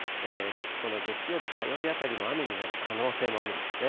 この月曜日、火曜日あたりも雨になる可能性もあるんですね。